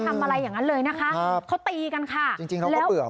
ไม่ได้ทำอะไรอย่างนั้นเลยนะคะเขาตีกันค่ะจริงจริงเราก็เปลือก